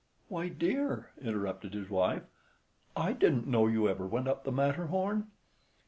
"Why, dear," interrupted his wife, "I didn't know you ever went up the Matterhorn."